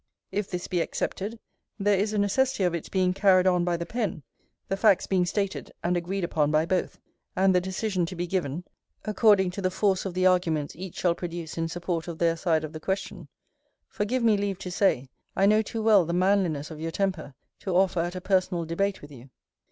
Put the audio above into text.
If this be accepted, there is a necessity for its being carried on by the pen; the facts being stated, and agreed upon by both; and the decision to be given, according to the force of the arguments each shall produce in support of their side of the question: for give me leave to say, I know too well the manliness of your temper, to offer at a personal debate with you.